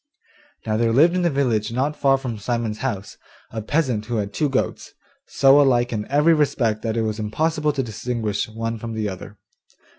Now there lived in the village not far from Simon's house, a peasant who had two goats, so alike in every respect that it was impossible to distinguish one from the other.